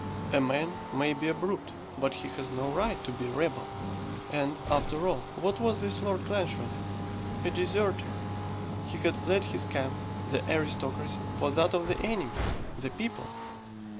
A man may be a brute, but he has no right to be a rebel. And, after all, what was this Lord Clancharlie? A deserter. He had fled his camp, the aristocracy, for that of the enemy, the people.